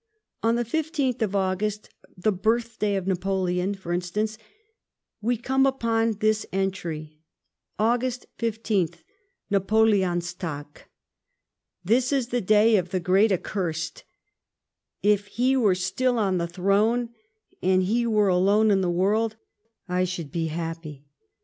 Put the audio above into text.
On the 15tli of August, the birthday of Napoleon, for instance, we come upon this entry : "August 15th (Napoleoustng). " This is the day of the great accursed ! If ho were still ou tlie throne, aud he were alone in the world, I should be happy."